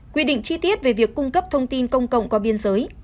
quy định chi tiết về việc cung cấp thông tin công cộng qua biên giới